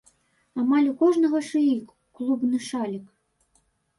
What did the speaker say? Амаль у кожнага шыі клубны шалік.